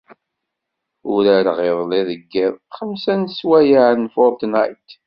Urareɣ iḍelli deg yiḍ xemsa n sswayeɛ n Fortnite.